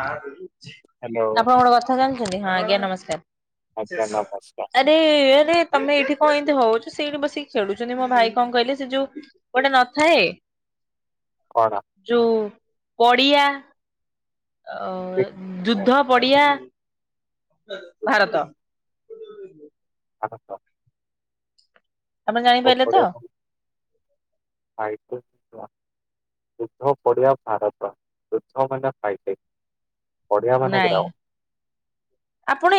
ଆପଣ ହ୍ୟାଲୋ ଗୋଟେ କଥା ଜାଣିଛନ୍ତି? ହଁ ଆଜ୍ଞା ନମସ୍କାର। ଆଜ୍ଞା ନମସ୍କାର୍। ଆରେ ଆରେ ତମେ ଏଇଠି କଣ ଏମିତି ହଉଛ, ସେଇଠି ବସିକି ଖେଳୁଛନ୍ତି। ମୋ ଭାଇ କଣ କହିଲେ ସେ ଯୋଉ ଗୋଟେ ନଥାଏ କଣ ଯୋଉ ପଡିଆ ଅ ଯୁଦ୍ଧ ପଡିଆ ଭାରତ ଭାରତ। ଆପଣ ଜାଣିପାରିଲେ ତ [unintelligible] ଯୁଦ୍ଧ ପଡିଆ ଭାରତ, ଯୁଦ୍ଧ ମାନେ ଫାଇଟିଂ। ପଡିଆ ମାନେ ନାଇଁ। ଗ୍ରାଉଣ୍ଡ ଆପଣ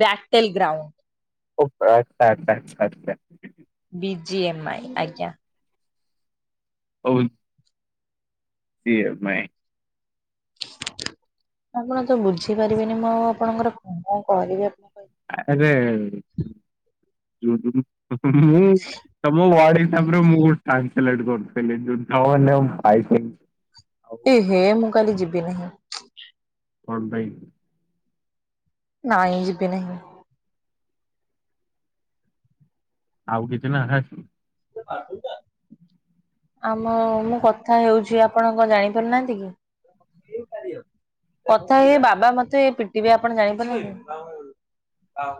ବ୍ୟାଟେଲ ଗ୍ରାଉଣ୍ଡ ଓ ଆଚ୍ଛା ଆଛା ଆଛା ଆଚ୍ଛା। ବି ଜି ଏମ୍ ଆଇ ଆଜ୍ଞା। ଓଇ ସି ଏମ୍ ଆଇ। ଆପଣ ତ ବୁଝିପାରିବେନି, ମୁଁ ଆଉ ଆପଣଙ୍କର କଣ କଣ କହିବି ଆପଣ କହିଲେ। ଆରେ ମୁଁ [unintelligible] ତମ ୱାର୍ଡ଼ ମ ମୁର୍ ସାଙ୍ଗସଲ ଅଟଥିଲେ ଏ ହେ ମୁଁ କାଲି ଯିବି ନାହିଁ। କଣ ପାଇଁ? ନାଇଁ ଯିବି ନାହିଁ। ଆଉ କିଛି ନା ପାଠଟା ଆମ ମୁଁ କଥା ହେଉଛି, ଆପଣ କଣ ଜାଣିପାରୁନାହାନ୍ତି କି? କଥା ଇ ବାବା ମତେ ଏ ପିଟିବେ ଆପଣ ଜାଣିପାରୁନାହାଁନ୍ତି? ହଉ।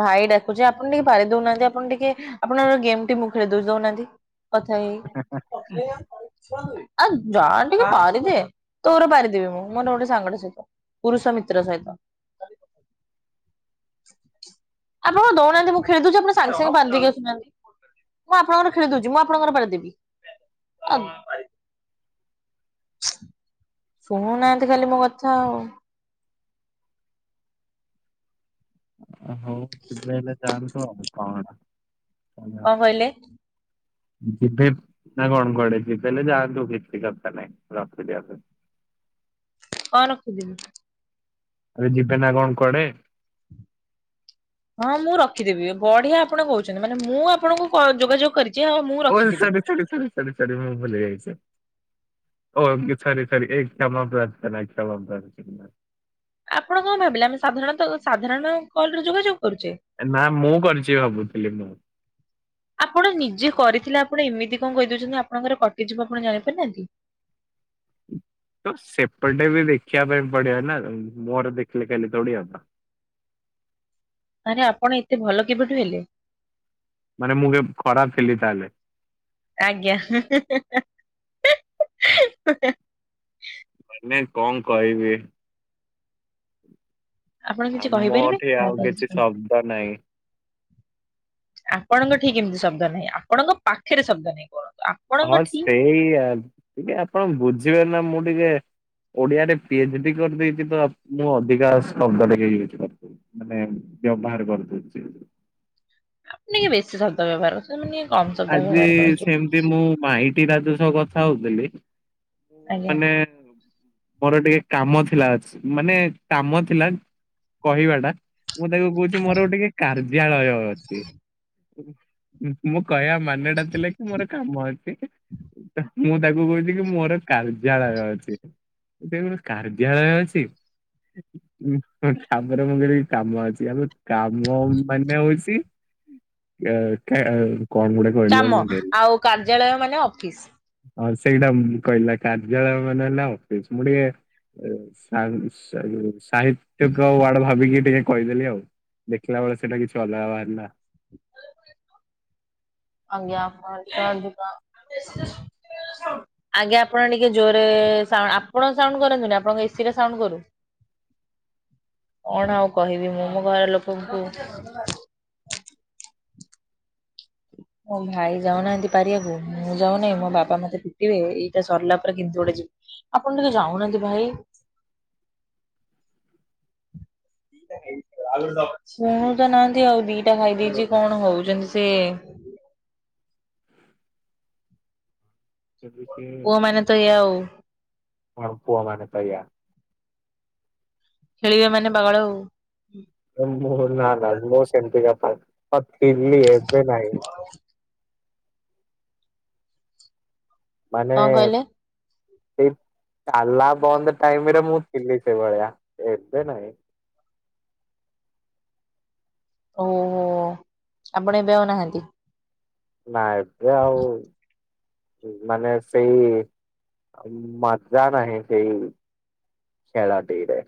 ଭାଇ ଡାକୁଛି, ଆପଣ ଟିକେ ପାରି ଦଉନାହାନ୍ତି। ଆପଣ ଟିକେ ଆପଣଙ୍କର, ଗେମ୍ ଟି ମୁଁ ଖେଳିଦଉଚି ଦଉନାହାନ୍ତି। କଥା ହେଇ ହେଇ, ଯାଆ ଟିକେ ପାରିଦେ ତୋର ପାରିଦେବି ମୁଁ, ମୋର ଗୋଟେ ସାଙ୍ଗ ସହିତ ପୁରୁଷ ମିତ୍ର ସହିତ। ଆପଣ ଦଉନାହାନ୍ତି ମୁଁ ଖେଳି ଦଉଛି, ଆପଣ ସାଙ୍ଗେ ସାଙ୍ଗେ ପାରି ଦେଇକି ଆସୁନାହାନ୍ତି। ମୁଁ ଆପଣଙ୍କର ଖେଳିଦଉଛି, ମୁଁ ଆପଣଙ୍କର ପାରିଦେବି ଆଉ ଶୁଣୁନାହାନ୍ତି ଖାଲି ମୋ କଥା ଆଉ। ଆ ହଉ ସେଥିପାଇଁ ହେଲେ ଯାଆନ୍ତୁ, ଆଉ କଣ ହେଲା। କଣ କହିଲେ ଯିବେ ବ୍ ନା କଣ କୁଆଡ଼େ ଯିବେ ନା, ଯେ ଯାଆନ୍ତୁ କିଛି କଥା ନାହିଁ ରଖି ଦିଅନ୍ତୁ। କନ୍ ଖୁଦିବି। ଆରେ ଯିବେ ନା କଣ କୁଆଡେ? ହଁ ମୁଁ ରଖିଦେବି ବଢିଆ ଆପଣ କହୁଛନ୍ତି ମାନେ ମୁଁ ଆପଣଙ୍କୁ କ ଯୋଗାଯୋଗ କରିଛି ଆଉ ମୁଁ ଓ ଏ ରଖିଦେବି। ସରି ସରି ସରି ସରି ସରି ମୁଁ ଭୁଲି ଯାଇଛି। ଓ ସରି ସରି ଏକ କ୍ଷମା ମାଫ କରନା ଏକ କ୍ଷମା ମାଗୁଛି [unintelligible] ଆପଣ କଣ ଭାବିଲେ ଆମେ ସାଧାରଣତ ସାଧାରଣ କଲରେ ଯୋଗାଯୋଗ କରୁଛେ? ନା ମୁଁ କରିଛି ଭାବୁଥିଲି ମୁଁ। ଆପଣ ନିଜେ କରିଥିଲେ ଆପଣ ଏମିତି କଣ କହିଦଉଛନ୍ତି ଆପଣଙ୍କର କଟିଯିବ ଆପଣ ଜାଣିପାରୁନାହାନ୍ତି? ତ ସେପଟେ ବି ଦେଖିବା ପାଇଁ ପଡିବ ନା ଉଁ ମୋର ଦେଖିଲେ ଖାଲି ଥୋଡି ହବ। ଆରେ ଆପଣ ଏତେ ଭଲ କେବେଠୁ ହେଲେ? ମାନେ ମୁଁ କେ ଖରାପ ଥିଲି ତାହେଲେ। ଆଜ୍ଞା ହୁଁ ହୁଁ ହୁଁ ହାଁ। ମାନେ କଣ କହିବି? ଆପଣ କିଛି ଆଉ କହିପାରିବେ? ମୋଠି ଆଉ ଆପଣ କିଛି କହିବେ। ଶବ୍ଦ ନାଇ। ଆପଣଙ୍କ ଠି କିମିତି ଶବ୍ଦ ନାହିଁ ଆପଣଙ୍କ ପାଖରେ ଶବ୍ଦ ନାହିଁ କୁହନ୍ତୁ ଆ ହଁ ସେଇଆ ଟିକେ ଆପଣ ବୁଝିବେ ନା ମୁଁ ଟିକେ। ଓଡିଆରେ ପି ଏଚ୍ ଡି କରିଦେଇଛି ତ ମୁଁ ଅଧିକା ଶବ୍ଦ ଟିକେ ୟୁଜ କରିଦେଲି। ମାନେ ବ୍ୟବହାର କରିଦଉଚି। ନାଇ ବେଶୀ ଶବ୍ଦ ବ୍ୟବହାର [unintelligible] ମାନେ କମ୍ ଶବ୍ଦ ବ୍ୟବହାର କରନ୍ତୁ। ଯେ ମୁଁ ମାଇଟି ଟା ଯଉ ସହ କଥା ହଉଥିଲି ମୁଁ ଆଜ୍ଞା। ମାନେ। ମୋର ଟିକେ କାମ ଥିଲା ମାନେ କାମ ଥିଲା କହିବା ଟା। ମୁଁ ତାକୁ କହୁଛି ମୋର ଟିକେ କାର୍ଯ୍ୟାଳୟ ଅଛି ଉଁ। ଉଁ ମୁଁ କହିବା ମାନେଟା ଥିଲା କି ମୋର କାମ ଅଛି ତ ମୁଁ ତାକୁ କହୁଛି କି ମୋର। କାର୍ଯ୍ୟାଳୟ ଅଛି ମୁଁ ସେୟା କହିଲି କାର୍ଯ୍ୟାଳୟ ଅଛି। ଉଁ କାମର ବି [unintelligible] କାମ ଅଛି ଆବେ। କାମ ମାନେ ହଉଛି ଅ କେଁ କଣ ଗୋଟେ। କହିଲ କାମ ମୁଁ ଭୁଲିଗଲି। ଆଉ କାର୍ଯ୍ୟାଳୟ ମାନେ ଅଫିସ। ହଁ ସେଇଟା ଉଁ କହିଲା କାର୍ଯ୍ୟାଳୟ ମାନେ ହେଲା ଅଫିସ‌ ମୁଁ ଟିକେ ଅ ସା ସା। ସାହିତ୍ୟିକ ୱାର୍ଡ ଭାବିକି ଟିକେ କହିଦେଲି ଆଉ ଦେଖିଲା ବେଳେ ସେଇଟା କିଛି ଅଲଗା ବାହାରିଲା। ଆଜ୍ଞା ଆପଣ ଠୁ ଅଧିକ। ଆଜ୍ଞା ଆପଣ ଟିକେ ଜୋରେ ସାଉ ଆପଣ ସାଉଣ୍ଡ କରନ୍ତୁନି ଆପଣଙ୍କ ଏ ସି ଟା ସାଉଣ୍ଡ କରୁ। କଣ ଆଉ କହିବି ମୁଁ ମୋ ଘର ଲୋକଙ୍କୁ। ଓ ଭାଇ ଯାଉନାହାନ୍ତି ପାରିବାକୁ ମୁଁ ଯାଉନାହିଁ ମୋ ବାପା ମତେ ପିଟିବେ ଏଇଟା ସରିଲା ପରେ କିନ୍ତୁ ଗୋଟେ ଯି ଆପଣ ଟିକେ ଯାଉନାହାନ୍ତି ଭାଇ। ଶୁଣୁ ତ ନାହାନ୍ତି ଆଉ ଦିଟା ଖାଇ ଦେଇଛି କଣ ହଉଛନ୍ତି ସେ। କହିଲି କି ପୁଅ ମାନେ ତ ଏଇଆ ଆଉ। ହଁ ପୁଅ ମାନେ ତ ଏଇଆ। ଖେଳିବ ମାନେ ପାଗଳ ଆଉ। ମୁଁ ନା ନା ମୁଁ ସେମିତିକା ପା ହଁ ଥିଲି ଏବେ ନାହିଁ। ମାନେ କଣ କହିଲେ ସେଇ ତାଲା ବନ୍ଦ୍। ଟାଇମରେ ମୁଁ ଥିଲି ସେ ଭଳିଆ ଏବେ ନାଇଁ। ଓହୋ ଆପଣ ଏବେ ଆଉ ନାହାନ୍ତି। ନା ଏବେ ଆଉ ଉ ମାନେ ସେଇ। ଆଉ ମଜା ନାହି ସେଇ ଖେଳ ଟି ରେ।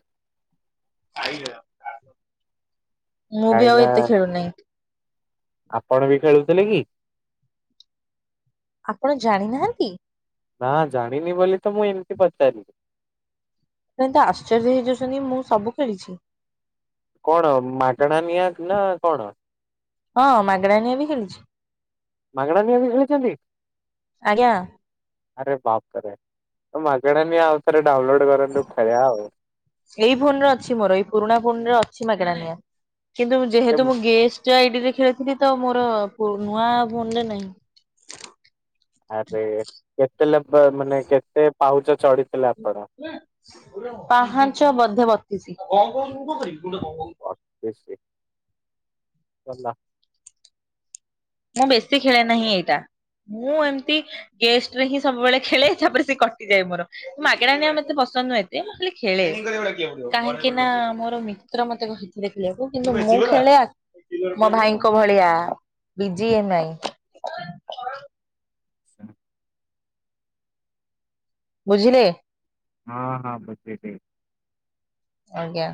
ମୁଁ ବି କାହିଁକି ନା ଆଉ ଏତେ ଖେଳୁନାହିଁ। ଆପଣ ବି ଖେଳୁଥିଲେ କି? ଆପଣ ଜାଣିନାହାନ୍ତି? ନା ଜାଣିନି ବୋଲି ତ ମୁଁ ଏମିତି ପଚାରିଲି। [unintelligible] ଏମିତିଆ ଆଶ୍ଚର୍ଯ୍ୟ ହେଇଯାଉଛନ୍ତି ମୁଁ ସବୁ ଖେଳିଛି। କଣ ମାଗଣା ନିଆ ନା କଣ? ହଁ ମାଗେଣାରେ ମୁଁ ବି ଖେଳୁଛି। ମାଗଣା ନିହାତି ଖେଳିଛନ୍ତି? ଆଜ୍ଞା। ଆରେ ବାପ୍ ରେ ମାଗଣା ନିଆଁ ଅଉଥରେ ଡାଉନଲୋଡ କରନ୍ତୁ ଖେଳିଆ ଆଉ ଏଇ ଫୋନରେ ଅଛି ମୋର, ଏଇ ପୁରୁଣା ଫୋନରେ ଅଛି ମାଗେଣା ନିଆ। କିନ୍ତୁ ଯେହେତୁ କେତେ- ମୁଁ ଗେଷ୍ଟ ସେ ଆଇଡିରେ ଖେଳିଥିଲି ତ, ମୋର ନୂଆ ଫୋନରେ ନାହିଁ ଆରେ କେତେ ଲେବ-ମାନେ କେତେ ପାଉଚ ଚଢିଥିଲା? ପାହାଞ୍ଚ ବଧେ ବତିସି ଅ [unintelligible] ମୁଁ ବେଶୀ ଖେଳେ ନାହିଁ ଏଇଟା। ମୁଁ ଏମିତି ଗେଷ୍ଟରେ ହିଁ ସବୁବେଳେ ଖେଳେ ତାପରେ ସେ କଟିଯାଏ ମୋର। ମାଗେଶା ନିଆଁ ମତେ ପସନ୍ଦ ନୁହ। ଏତେ ମୁଁ ଖାଲି ଖେଳେ, କାହିଁକି ନା ମୋର ମିତ୍ର ମତେ କହି ଦେଖିବାକୁ କିନ୍ତୁ ମୁଁ ଖେଳେ ମୋ ଭାଇଙ୍କ ଭଳିଆ ବିଜି ଏ ନାଇଁ ଆଚ୍ଛା ବୁଝିଲେ? ହଁ ହଁ। ବୁଝିଲି। ଆଜ୍ଞା।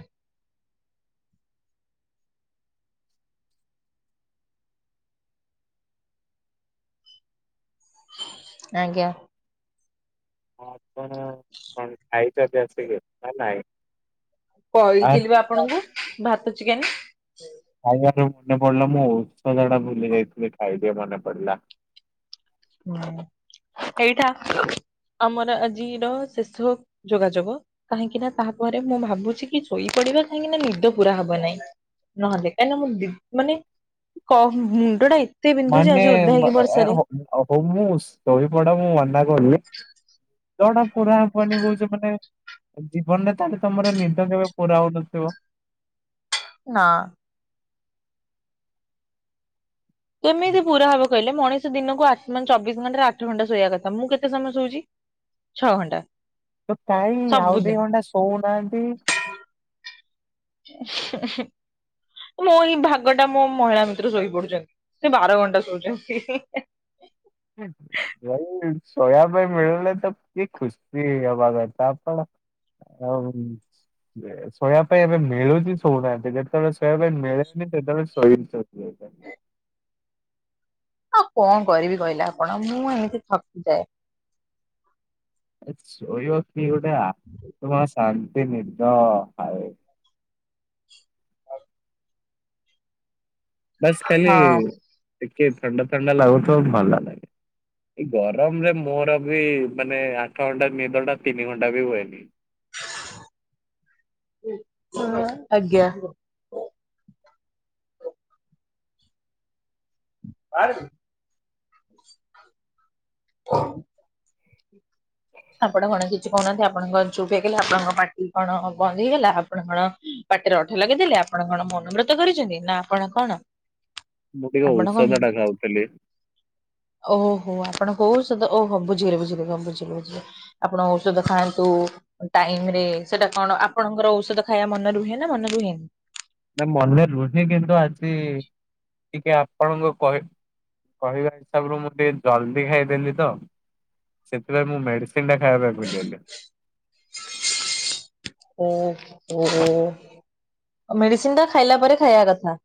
ଆଜ୍ଞା। ହଁ ଆପଣ କଣ ଖାଇଛନ୍ତି ଆସିକି ନା ନାଇଁ? କହିଥିଲି ବା ଆରେ ଆପଣଙ୍କୁ ଭାତ ଚିକେନ୍ ଖାଇବାର ମନେ ପଡିଲା। ମୁଁ ଔଷଧ ଟା ଭୁଲି ଯାଇଥିଲି, ଖାଇଦିଏ ମନେ ପଡିଲା। ହୁଁ ଏଇଟା ଆମର ଆଜିର ଶେଷ ଯୋଗାଯୋଗ, କାହିଁକି ନା ତାପରେ ମୁଁ ଭାବୁଛି କି ଶୋଇ ପଡିବା କାହିଁକି ନା ନିଦ ପୁରା ହବ ନାହିଁ। ନହଲେ କାହିଁକିନା ମୁଁ ମାନେ କ- ମୁଣ୍ଡଟା ଏ ଏତେ ବିନ୍ଧୁଛି ଆଜି ଓଦା ହେଇକି ବର୍ଷାରେ ହଉ ହଉ। ମୁଁ ଶୋଇପଡ ମୁଁ ମନା କରୁନି। ନିଦଟା ପୁର ହବନି କହୁଛ ମାନେ, ଜୀବନରେ ତାହେଲେ ତମର ନିଦ କେବେ ପୁରା ହଉନଥିବ ନା କେମିତି ପୁରା ହବ କହିଲେ? ମଣିଷ ଦିନକୁ ଆଠ-ମାନେ ଚବିଶ ଘଣ୍ଟା ରୁ, ଆଠ ଘଣ୍ଟା ଶୋଇବା କଥା। ମୁଁ କେତେ ସମୟ ଶୋଉଛି ଛଅ ଘଣ୍ଟା। ତ କାଇଁ ଆଉ ଦି ସବୁଦିନ ଘଣ୍ଟା ଶୋଉନାହାନ୍ତି। [unintelligible] ମୋ ଏଇ ଭାଗ ଟା ମୋ ମହିଳା ମିତ୍ର ଶୋଇପଡୁଛନ୍ତି। ସେ ବାର ଘଣ୍ଟା ଶୋଉଛନ୍ତି। ହୁଁ। ଯୋଉ ଶୋଇବା ପାଇଁ ମିଳୁନି ତ ଆପଣ ଖୁସି ହେବା କଥା ଆଉ ଶୋଇବା ପାଇଁ ଏବେ ମିଳୁଛି ଶୋଉନାହାନ୍ତି। ଯେତେବେଳେ ଶୋଇବା ପାଇଁ ମିଳେନି, ସେତେବେଳେ ଶୋଇ ପଡୁଛନ୍ତି। ଆଉ କଣ କରିବି କହିଲେ ଆପଣ? ମୁଁ ଏମିତି ଥକିଯାଏ। ଶୋଇବ କିଏ ଗୋଟେ ଆ ହଁ [inaudible] ପୁରା ଶାନ୍ତି ନିଦ ଆଉ। ହଉ ବାସ୍ ଖାଲି ହଁ ଟିକେ ଥଣ୍ଡା, ଥଣ୍ଡା ଲାଗୁଥିବ ଭଲ। ଏଇ ଗରମ ରେ ମୋର ବି ମାନେ ଆଠ ଘଣ୍ଟା, ନିଦଟା ତିନି ଘଣ୍ଟା ବି ହୁଏନି। ହଁ ଆଜ୍ଞା। ଆରେ ହଁ ଆପଣ କଣ କିଛି କହୁନାହାନ୍ତି? ଆପଣ କଣ ଚୁପ ହେଇ କଲେ? ଆପଣଙ୍କ ପାର୍ଟି କଣ ବନ୍ଦ ହେଇଗଲା? ଆପଣ କଣ ପାଟିରେ ଅଠା ଲଗେଇଦେଲେ? ଆପଣ କଣ ମୌନବ୍ରତ କରିଛନ୍ତି? ନା ଆପଣ କଣ ମୁଁ ଟିକେ ଆପଣ କଣ ଔଷଧ ଟା ଖାଉଥିଲି। ଓହୋ ଆପଣ କୋଉ ଓଷୋଦ ଓହୋ ବୁଝିିଗଲି ବୁଝିଗଲି ହଁ ବୁଝିଲି ବୁଝିଲି। ଆପଣ ଔଷଧ ଖାଆନ୍ତୁ। ଟାଇମ ରେ ସେଟା କଣ ଆପଣଙ୍କର ଔଷଧ ଖାଇବା ମନେ ରୁହେ ନା ମନେ ରୁହେନି। ନାଇଁ ମନେ ରୁହେ କିନ୍ତୁ ଆଜି ଟିକେ ଆପଣଙ୍କୁ କହି କହିବା ହିସାବରୁ ମୁଁ ଟିକେ ଜଲ୍ଦି ଖାଇଦେଲି ତ। ସେଥିପାଇଁ ମୁଁ ମେଡିସିନ ଟା ଖାଇବା ପାଇଁ ଭୁଲିଗଲି। ଓହୋ ମେଡିସିନ ଟା ଖାଇଲା ପରେ ଖାଇବା କଥା।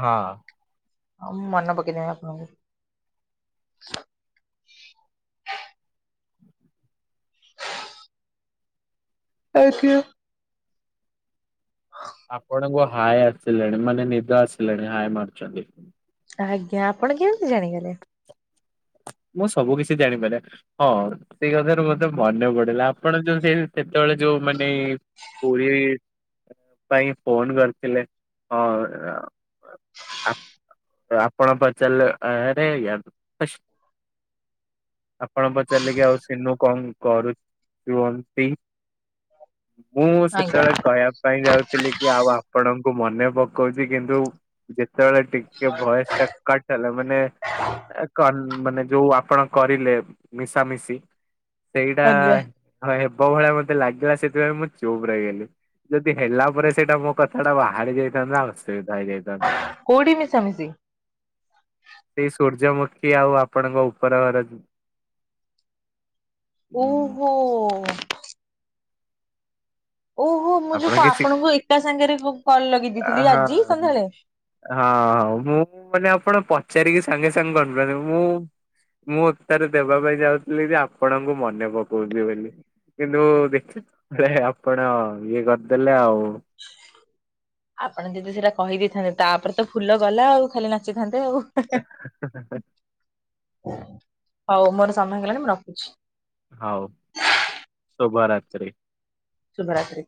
ହଁ। ହଉ ମୁଁ ମନ ପକେଇଦେବି ଆପଣଙ୍କୁ। [unintelligible] ଆପଣଙ୍କୁ ହାୟ ଆସିଲାଣି ମାନେ ନିଦ ଆସିଲାଣି ହାଏ ମାରୁଚନ୍ତି। ଆଜ୍ଞା ଆପଣ କେମିତି ଜାଣିଗଲେ। ମୁଁ ସବୁ କିଛି ଜାଣିପାରିରେ ହଁ ସେଇ କଥାରୁ ମତେ ମନେ ପଡିଲା ଆପଣ ଯୋଉ ହେଇ ସେତୋବୋଳେ ଯୋଉ ମାନେ ପୁରୀ ପାଇଁ ଫୋନ୍ କରିଥିଲେ ଅଁ ଆପ୍ ଆପଣ ପଚାରଲେ ଆରେ। [unintelligible] ଆପଣ ପଚାରିଲେ କି ଆଉ ସିନୁ କଁ କରୁୁଚୁଅନ୍ତି। ମୁଁ ଆଜ୍ଞା ସେତେବେଳେ କହିବା ପାଇଁ ଯାଉଥିଲି କି ଆଉ ଆପଣଙ୍କୁ ମନେ ପକୋଉଚି କିନ୍ତୁ ଯେତୋବୋଳେ ଟିକେ ଭଏସ୍ କଟ୍ ହେଲା ମାନେ ଏ କନ୍ ମାନେ ଯୋଉ ଆପଣ କରିଲେ ମିଶାମିଶି ସେଇଡ଼ା ଆଜ୍ଞା ହଁ ହେବ ଭଳିଆ ମତେ ଲାଗିଲା ସେଥିପାଇଁ ମୁଁ ଚୁପ୍ ରହିଗଲି। ଯଦି ହେଲା ପରେ ସେଇଟା ମୋ କଥା ଟା ବାହାରି ଯାଇଥାନ୍ତା ଅସୁବିଧା ହେଇଯାଇଥାନ୍ତା। କୋଉଠି ମିଶାମିିଶି। ସେଇ ସୂର୍ଯ୍ୟମୁଖୀ ଆଉ ଆପଣଙ୍କ ଉପର ଘର ଉଁ ଓହୋ। ଓହୋ ମୁଁ ଯୋଉ ଆପଣ କା କିଛି ଆପଣଙ୍କୁ ଏକା ସାଙ୍ଗେରେ କ୍ କଲ ଲଗେଇ ଦେଇଥିଲି ଆଜି ସନ୍ଧ୍ୟାବେଳେ। ହଁ ହଁ ମୁଁ ମାନେ ଆପଣ ପଚାରିକି ସାଙ୍ଗେ ସାଙ୍ଗେ କରିଦେଲେ ମୁଁ ମୁଁ ଉତ୍ତର ଦେବା ପାଇଁ ଯାଉଥିଲି ଯେ ଆପଣଙ୍କୁ ମନେ ପକୋଉଛି ବେଲି। କିନ୍ତୁ ଦେଖି ହେଁ ହେଁ ଆପଣ ଇଏ କରିଦେଲେ ଆଉ। ଆପଣ ଯଦି ସେଟା କହିଦେଇଥାନ୍ତେ ତାପରେ ତ ଫୁଲ ଗଲା ଆଉ ଖାଲି ନାଚିଥାନ୍ତେ ଆଉ। [unintelligible] ହଉ ମୋର ସମୟ ହେଇଗଲାଣି ମୁଁ ରଖୁଛି। ହଉ ଶୁଭ ରାତ୍ରି। ଶୁଭ ରାତ୍ରି।